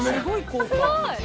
すごい！